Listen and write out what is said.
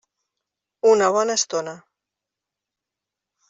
Una bona estona.